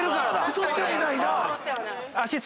太ってはいないな。